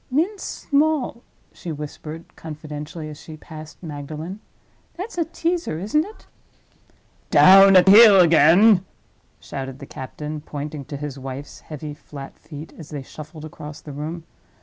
"Mince small," she whispered, confidentially, as she passed Magdalen. "That's a teaser, isn't it?" "Down at heel again!" shouted the captain, pointing to his wife's heavy flat feet as they shuffled across the room.